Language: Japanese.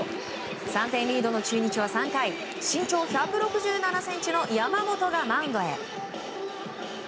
３点リードの中日は３回身長１６７ｃｍの山本がマウンドへ。